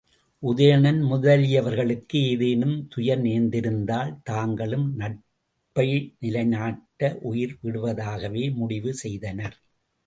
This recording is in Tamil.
உதயணன் முதலியவர்களுக்கு ஏதேனும் துயர்நேர்ந்திருந்தால் தாங்களும் நட்பை நிலைநாட்ட உயிர் விடுவதாகவே முடிவு செய்தனர்.